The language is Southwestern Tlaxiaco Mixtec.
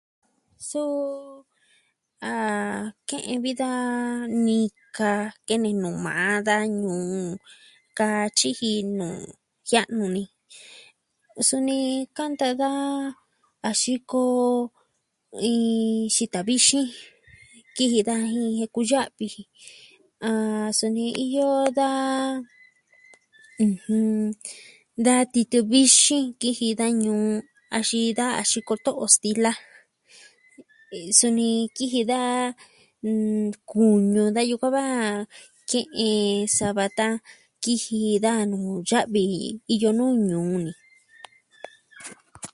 Suu, a ke'en vi da nika, kene nuu maa da ñuu, katyi jinu jia'nu ni. Suni kanta daa a xiko iin xita vixin. Kiji daa jin jen kuya'vi ji. Ah... suni iyo da... ɨjɨn... da titɨ vixin nkiji da ñuu axin da a xiko to'o stila, suni kiji daa... nnn, kuñu da yukuan va, ke'en sava tan kiji daa nuu ya'vi iyo nuu ñuu ni.